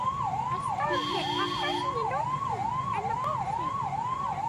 A storm hit while crossing the North Sea, and the boat sank.